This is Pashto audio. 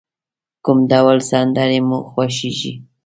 کوم ډول سندری مو خوښیږی؟